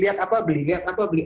lihat apa beli lihat apa beli